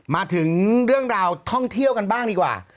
มาถึงเรื่องราวท่องเที่ยวกันบ้างดีกว่า